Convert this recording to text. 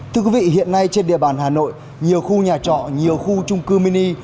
thưa quý vị hiện nay trên địa bàn hà nội nhiều khu nhà trọ nhiều khu trung cư mini